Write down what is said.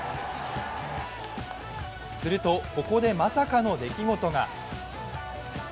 すると、ここでまさかの出来事が。